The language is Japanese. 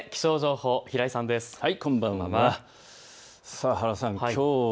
こんばんは。